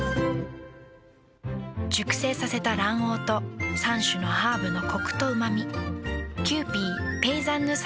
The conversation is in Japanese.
熟成させた卵黄と３種のハーブのコクとうま味。